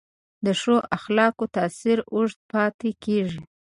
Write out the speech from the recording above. د ښو اخلاقو تاثیر اوږد پاتې کېږي.